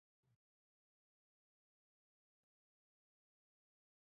د امریکا متحده ایالات خپل داخلي امنیت موضوع په پام کې نیسي.